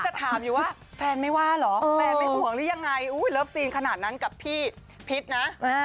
จะถามอยู่ว่าแฟนไม่ว่าเหรอแฟนไม่ห่วงหรือยังไงเลิฟซีนขนาดนั้นกับพี่พิษนะ